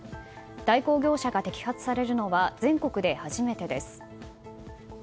代行業者が摘発されるのは全国で初めてです。